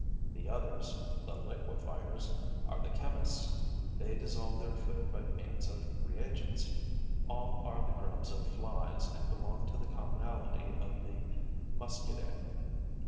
The others, the liquefiers, are the chemists; they dissolve their food by means of reagents. All are the grubs of flies and belong to the commonalty of the Muscidae.